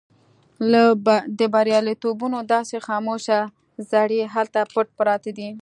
د برياليتوبونو داسې خاموش زړي هلته پټ پراته دي.